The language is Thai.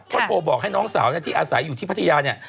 ก็โทรบอกให้น้องสาวที่อาศัยอยู่ที่พัทยาเนี่ย